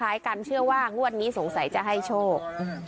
คล้ายการเชื่อว่างว่าวันนี้สงสัยจะให้โชค